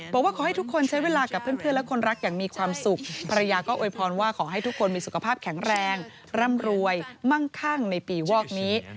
บอกว่าขอให้ทุกคนใช้เวลากับเพื่อนและคนรักอย่างมีความสุขภรรยาก็โวยพรว่าขอให้ทุกคนมีสุขภาพแข็งแรงร่ำรวยมั่งคั่งในปีวอกนี้